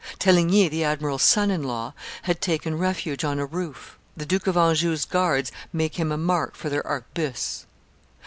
Teligny, the admiral's son in law, had taken refuge on a roof; the Duke of Anjou's guards make him a mark for their arquebuses.